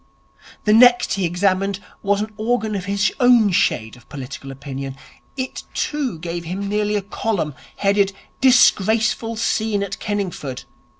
The next he examined was an organ of his own shade of political opinion. It too, gave him nearly a column, headed 'Disgraceful Scene at Kenningford'.